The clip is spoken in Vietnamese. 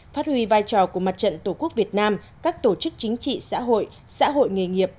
phát huy vai trò của mặt trận tổ quốc việt nam các tổ chức chính trị xã hội xã hội nghề nghiệp